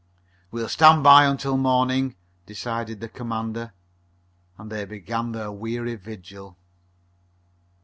"We'll stand by until morning," decided the commander, and they began their weary vigil.